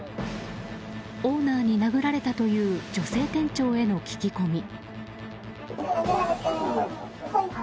オーナーに殴られたという女性店長への聞き込み。